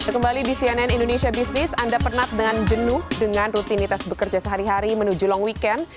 kembali di cnn indonesia business anda pernah dengan jenuh dengan rutinitas bekerja sehari hari menuju long weekend